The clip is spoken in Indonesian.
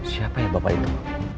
siapa yang bapak itu